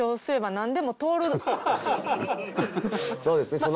そうですねその。